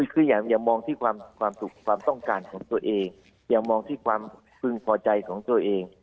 คืออย่ามองที่ความสุขความต้องการของตัวเองอย่ามองที่ความพึงพอใจของตัวเอง